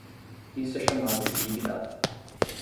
Isso é chamado de big data.